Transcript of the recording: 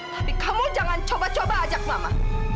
tapi kamu jangan coba coba ajak mama